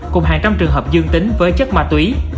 cùng hàng trăm trường hợp dương tính với chất ma túy